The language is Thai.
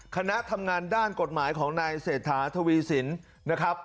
คณะทำงานด้านกฎหมายของนายเสถาถวีศิลป์